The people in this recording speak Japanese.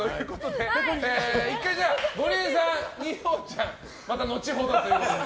１回、ゴリエさん二葉ちゃんまた後ほどということで。